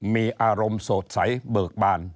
มีอารมณ์โสดใสเบิกบาน